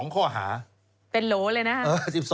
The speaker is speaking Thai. ๒ข้อหาเป็นโหลเลยนะครับ